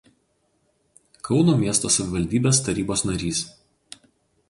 Kauno miesto savivaldybės tarybos narys.